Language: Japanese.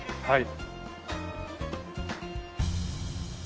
はい。